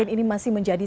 ini masih menjadi